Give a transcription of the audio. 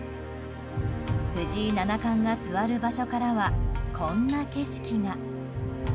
藤井七冠が座る場所からはこんな景色が。